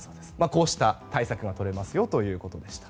こうした対策がとれますよということでした。